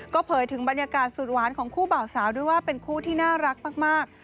เผยถึงบรรยากาศสุดหวานของคู่บ่าวสาวด้วยว่าเป็นคู่ที่น่ารักมาก